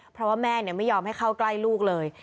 เพราะว่าแม่ไม่ยอมให้เข้าใกล้ลูกเลย